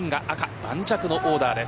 盤石のオーダーです。